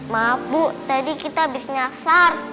maaf bu tadi kita habis nyasar